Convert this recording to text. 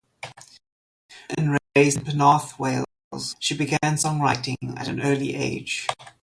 Born and raised in Penarth, Wales, she began songwriting at an early age.